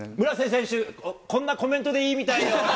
村瀬選手、こんなコメントでいいみたいよ。